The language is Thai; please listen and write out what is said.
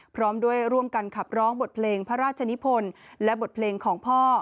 พร้อมด้วยร่วมกันขับร้องบทเพลงพระราชนิพลและบทเพลงของพ่อ